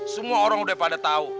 semua orang udah pada tahu